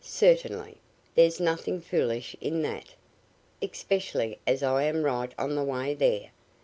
Certainly! There's nothing foolish in that.... Especially as I am right on the way there....